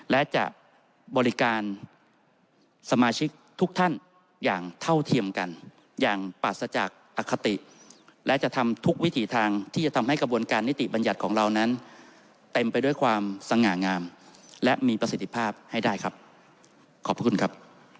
และจะบริการสมาชิกทุกท่านอย่างเท่าเทียมกันอย่างปราศจากอคติและจะทำทุกวิถีทางที่จะทำให้กระบวนการนิติบัญญัติของเรานั้นเต็มไปด้วยความสง่างามและมีประสิทธิภาพให้ได้ครับขอบพระคุณครับ